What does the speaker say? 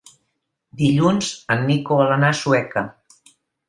Dilluns en Nico vol anar a Sueca.